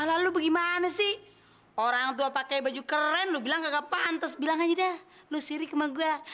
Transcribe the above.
lalu gimana sih orang tua pakai baju keren lu bilang gak pantas bilang aja dah lu sirik sama gua